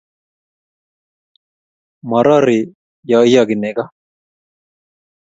Morori ya iyoki nego